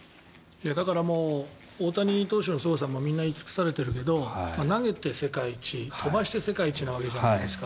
だから大谷投手のすごさもみんな言い尽くされているけど投げて世界一飛ばして世界一なわけじゃないですか。